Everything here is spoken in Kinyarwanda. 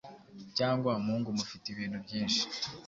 cyangwa umuhungu mufite ibintu byinshi